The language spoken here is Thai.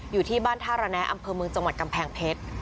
อยู่ที่บ้านท่าระแนะอำเภอเมืองจังหวัดกำแพงเพชร